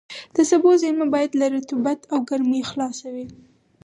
د سبو زېرمه باید له رطوبت او ګرمۍ خلاصه وي.